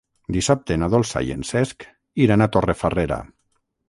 Dissabte na Dolça i en Cesc iran a Torrefarrera.